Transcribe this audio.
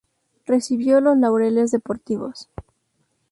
Recibió los Laureles Deportivos.